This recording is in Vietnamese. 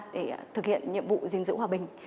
để thực hiện nhiệm vụ gìn giữ hòa bình